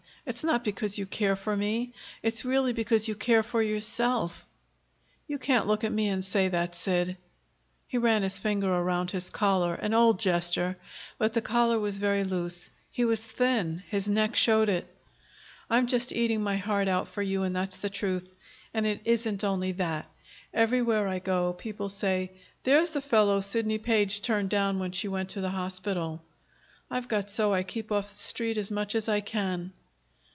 It's not because you care for me; it's really because you care for yourself." "You can't look at me and say that, Sid." He ran his finger around his collar an old gesture; but the collar was very loose. He was thin; his neck showed it. "I'm just eating my heart out for you, and that's the truth. And it isn't only that. Everywhere I go, people say, 'There's the fellow Sidney Page turned down when she went to the hospital.' I've got so I keep off the Street as much as I can."